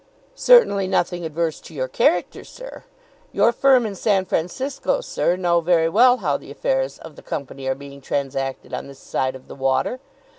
Certainly nothing adverse to your character, sir. Your firm in San Francisco, sir, know very well how the affairs of the Company are being transacted on this side of the water.